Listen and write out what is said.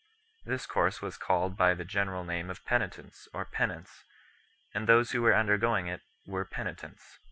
This course was called by the general name of penitence or penance, and those who were undergoing it were penitents.